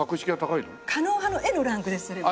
狩野派の絵のランクですそれは。